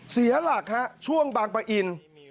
เสียหลักฮะช่วงบางปะอิน